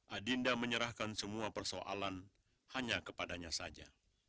adinda menyerahkan semua persoalan hanya kepadanya saja